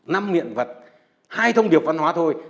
năm hiện vật hai thông điệp văn hóa thôi